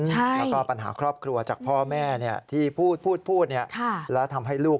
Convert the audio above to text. แล้วก็ปัญหาครอบครัวจากพ่อแม่ที่พูดแล้วทำให้ลูก